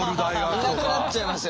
いなくなっちゃいますよ。